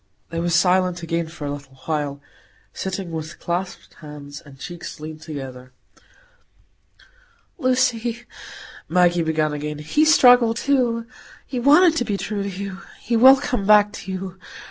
They were silent again a little while, sitting with clasped hands, and cheeks leaned together. "Lucy," Maggie began again, "he struggled too. He wanted to be true to you. He will come back to you.